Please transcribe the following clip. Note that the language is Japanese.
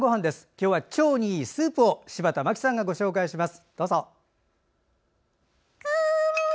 今日は腸にいいスープを柴田真希さんがご紹介します。